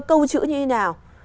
câu chữ như thế nào